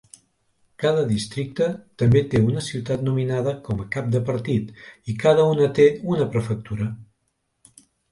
Cada districte també té una ciutat nominada com a cap de partit i cada una té una prefectura.